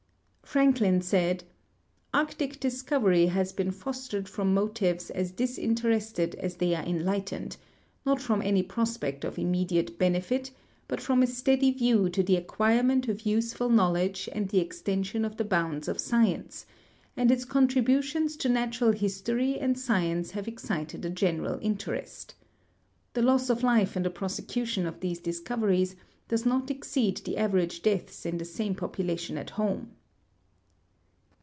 Franklin said : "Arctic discoveiy has been fostered from mo tives as disinterested as they are enlightened ; not from any prospect of immediate benefit, but from a steady view to the acquirement of useful knowledge and the extension of the bounds of science, and its contributions to natural history and science have excited a general interest. The loss of life in the i)rosecu tion of these discoveries does not exceed the average deaths in the same population at home."